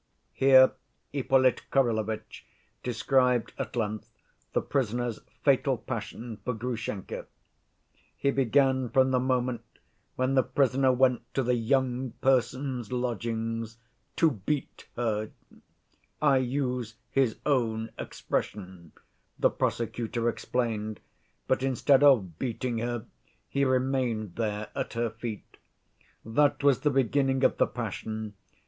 Here Ippolit Kirillovitch described at length the prisoner's fatal passion for Grushenka. He began from the moment when the prisoner went to the "young person's" lodgings "to beat her"—"I use his own expression," the prosecutor explained—"but instead of beating her, he remained there, at her feet. That was the beginning of the passion.